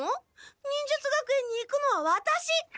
忍術学園に行くのはワタシ。